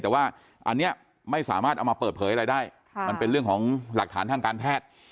แต่ว่าอันนี้ไม่สามารถเอามาเปิดเผยอะไรได้มันเป็นเรื่องของหลักฐานทางการแพทย์